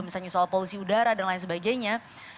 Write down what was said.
misalnya soal polusi udara dan lain sebagainya